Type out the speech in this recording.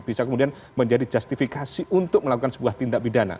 bisa kemudian menjadi justifikasi untuk melakukan sebuah tindak pidana